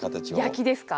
焼きですか？